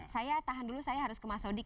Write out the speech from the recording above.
saya tahan dulu saya harus ke mas odik